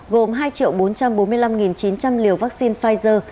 gồm hai bốn trăm bốn mươi năm chín trăm linh liều vaccine pfizer